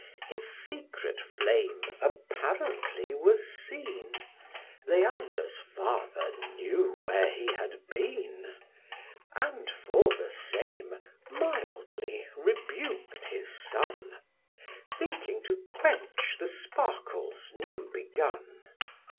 His secret flame apparently was seen: Leander's father knew where he had been, And for the same mildly rebuk'd his son, Thinking to quench the sparkles new begun.